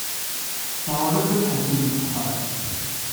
Tɛewwlemt ad tḥebsemt ddexxan.